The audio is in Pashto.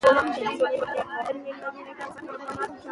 کار د پرمختګ نوې دروازې پرانیزي